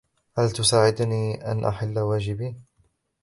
هل تساعدني أن أحل واجبي ؟